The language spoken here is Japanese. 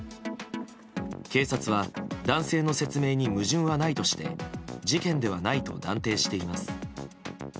警察は男性の説明に矛盾はないとして事件ではないと断定しています。